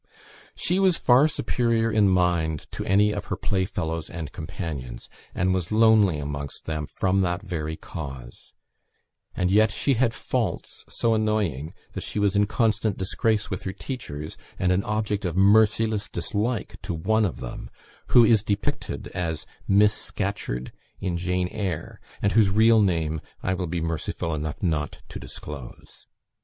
She was far superior in mind to any of her play fellows and companions, and was lonely amongst them from that very cause; and yet she had faults so annoying that she was in constant disgrace with her teachers, and an object of merciless dislike to one of them, who is depicted as "Miss Scatcherd" in "Jane Eyre," and whose real name I will be merciful enough not to disclose.